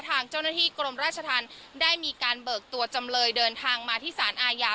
ทางเจ้าหน้าที่กรมราชธรรมได้มีการเบิกตัวจำเลยเดินทางมาที่สารอาญา